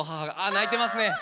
泣いてますね。